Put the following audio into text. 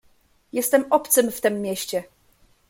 "Jestem obcym w tem mieście."